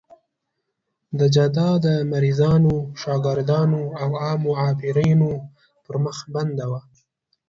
دا جاده د مریضانو، شاګردانو او عامو عابرینو پر مخ بنده وه.